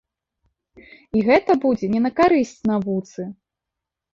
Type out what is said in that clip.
І гэта будзе не на карысць навуцы.